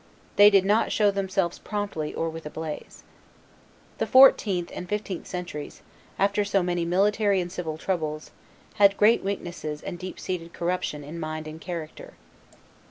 They did not show themselves promptly or with a blaze. The fourteenth and fifteenth centuries, after so many military and civil troubles, had great weaknesses and deep seated corruption in mind and character.